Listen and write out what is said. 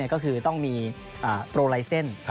ก็คือต้องมีโปรไลเซ็นต์